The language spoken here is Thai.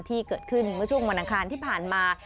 ที่เกิดขึ้นเมื่อช่วงวันอังคารที่ผ่านมา